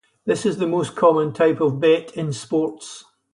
This is the most common type of bet in sports.